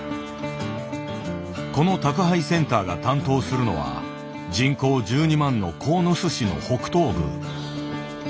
この宅配センターが担当するのは人口１２万の鴻巣市の北東部。